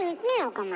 岡村。